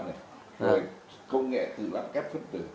rồi công nghệ tự lập kép phức tử